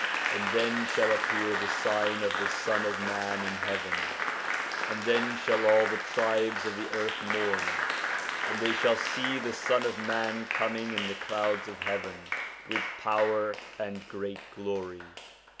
... And then shall appear the sign of the Son of man in heaven : and then shall all the tribes of the earth mourn, and they shall see the Son of man coming in the clouds of heaven with power and great glory.'